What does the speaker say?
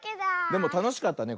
でもたのしかったね